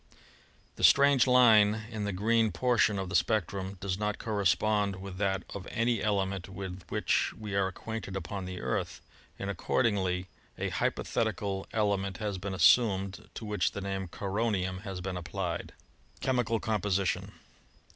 The strange line in the green por tion of the spectrum does not correspond with that of any element with which we are acquainted upon the Earth, and accordingly a hypothetical element has been assumed, to which the name of "coronium" has been applied. Chemical Composition.